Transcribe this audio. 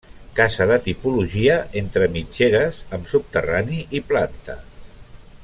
Casa de tipologia entre mitgeres amb subterrani i planta.